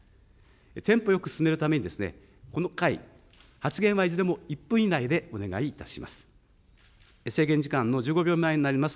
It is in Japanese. テンポよく進めるために、この会、発言はいずれも１分以内でお願いいたします。